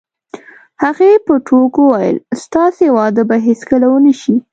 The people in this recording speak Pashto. هغې په ټوکو وویل: ستاسې واده به هیڅکله ونه شي.